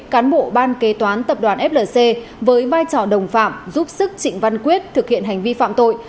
cán bộ ban kế toán tập đoàn flc với vai trò đồng phạm giúp sức trịnh văn quyết thực hiện hành vi phạm tội